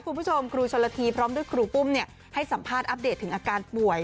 คุณผู้ชมครูชนละทีพร้อมด้วยครูปุ้มให้สัมภาษณ์อัปเดตถึงอาการป่วย